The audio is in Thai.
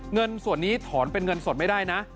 เงินส่วนนี้ถอนเป็นเงินสดไม่ได้นะ